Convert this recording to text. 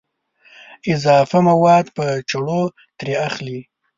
اضافه مواد په چړو ترې اخلي.